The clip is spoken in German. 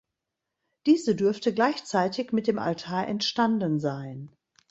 Diese dürfte gleichzeitig mit dem Altar entstanden sein.